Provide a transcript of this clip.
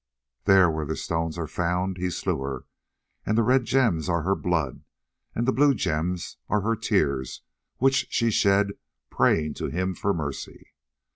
There where the stones are found he slew her, and the red gems are her blood, and the blue gems are her tears which she shed praying to him for mercy.